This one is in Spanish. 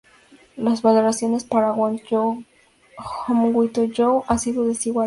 Las valoraciones para "Won't Go Home Without You" han sido desiguales.